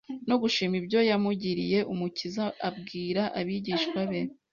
no gushima ibyo yamugiriye. Umukiza abwira abigishwa be